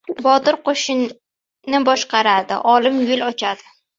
• Botir qo‘shinni boshqaradi, olim yo‘l ochadi.